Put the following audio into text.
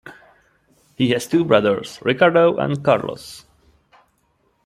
He has two brothers, Ricardo and Carlos.